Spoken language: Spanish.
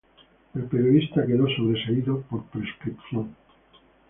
El periodista quedo sobreseído, por prescripción.